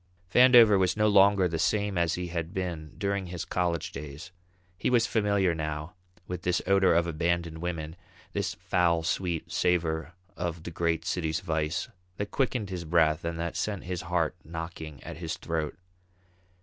Vandover was no longer the same as he had been during his college days. He was familiar now with this odour of abandoned women, this foul sweet savour of the great city's vice, that quickened his breath and that sent his heart knocking at his throat.